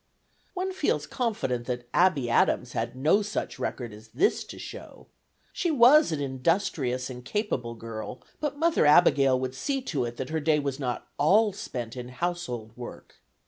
One feels confident that Abby Adams had no such record as this to show. She was an industrious and capable girl, but Mother Abigail would see to it that her day was not all spent in household work.